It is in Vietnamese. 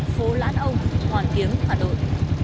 phố lãn ông hoàn kiếm hà nội